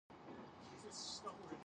別の人の彼女になったよ